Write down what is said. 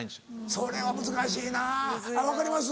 それは難しいな分かります？